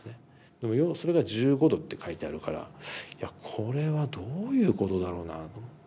でもそれが「１５°」って書いてあるから「いやこれはどういうことだろうな」と思って。